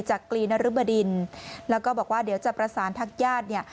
จากกรีนรุมดินแล้วก็บอกว่าเดี๋ยวจะประสานทักญาติ